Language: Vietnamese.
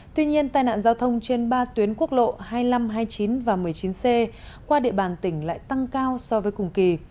tuy nhiên tai nạn giao thông trên ba tuyến quốc lộ hai mươi năm hai mươi chín và một mươi chín c qua địa bàn tỉnh lại tăng cao so với cùng kỳ